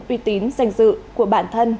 uy tín danh dự của bản thân